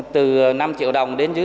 từ năm triệu đồng tiền giả